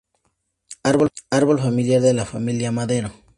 Árbol familiar de la familia Madero